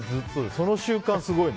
その週間、すごいね。